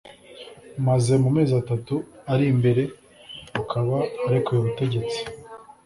maze mu mezi atatu ari imbere akaba arekuye ubutegetsi